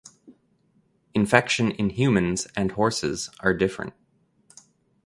Infection in humans and horses are different.